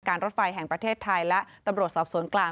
รถไฟแห่งประเทศไทยและตำรวจสอบสวนกลาง